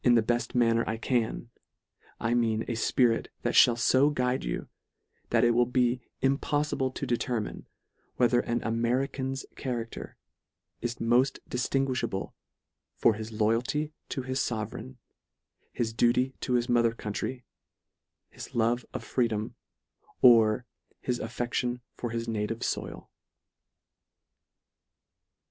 31 the beft manner I can, I mean a fpirit that fhall fo guide you, that it will be impoflible to determine, whether an American's cha racter is moft diftinguifhable for his loyalty to his fovereign, his duty to his mother coun try, his love of freedom, or his affection for his native foil.